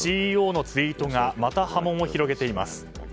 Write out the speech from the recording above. ＣＥＯのツイートがまた波紋を広げています。